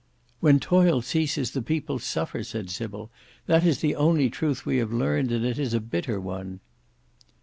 "When Toil ceases the People suffer," said Sybil. "That is the only truth that we have learnt, and it is a bitter one."